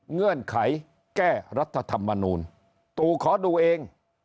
เงื่อนไขแก้รัฐธรรมนูลตูขอดูเอง